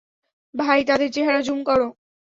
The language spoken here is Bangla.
ভাই, তাদের চেহারা জুম কর।